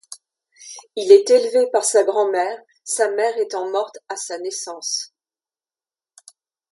Il est élevé par sa grand-mère, sa mère étant morte à sa naissance.